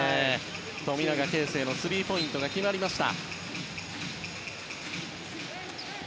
富永啓生のスリーポイントが決まりました。